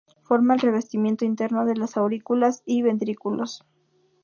Forma el revestimiento interno de las aurículas y ventrículos.